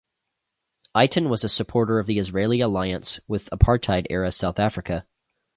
Eitan was a supporter of the Israeli alliance with Apartheid-era South Africa.